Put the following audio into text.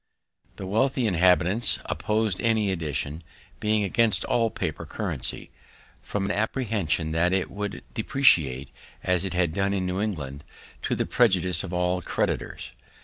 The wealthy inhabitants oppos'd any addition, being against all paper currency, from an apprehension that it would depreciate, as it had done in New England, to the prejudice of all creditors.